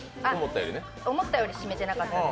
思ったよりしみてなかったです。